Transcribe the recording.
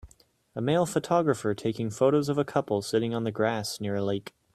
A male photographer taking photos of a couple sitting on the grass near a lake